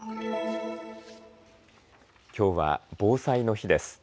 きょうは防災の日です。